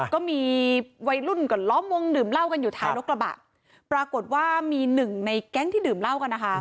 ก็มีวัยรุ่นก็ล้อมวงดื่มเหล้ากันอยู่ท้ายรถกระบะปรากฏว่ามีหนึ่งในแก๊งที่ดื่มเหล้ากันนะคะ